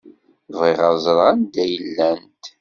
Bɣiɣ ad ẓṛeɣ anda i llant.